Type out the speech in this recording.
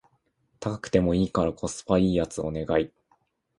高くてもいいからコスパ良いやつお願い